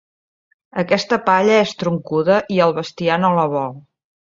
Aquesta palla és troncuda i el bestiar no la vol.